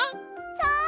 そう！